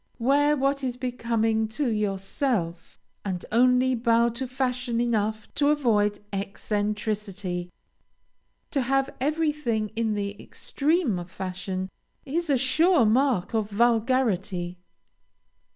Wear what is becoming to yourself, and only bow to fashion enough to avoid eccentricity. To have everything in the extreme of fashion, is a sure mark of vulgarity.